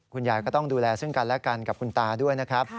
คุณยายก็ต้องดูแลซึ่งกันและกันกับคุณตาด้วยนะครับ